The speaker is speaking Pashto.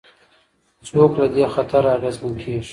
څوک له دې خطره اغېزمن کېږي؟